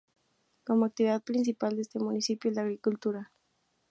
Como actividad principal de este municipio es la agricultura.